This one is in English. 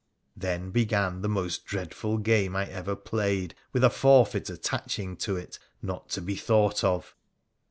Then began the most dreadful game I ever played, with a forfeit attaching to it not to be thought of.